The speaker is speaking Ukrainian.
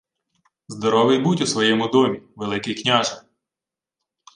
— Здоровий будь у своєму домі, Великий княже.